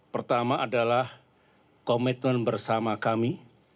pertama adalah komitmen bersama kami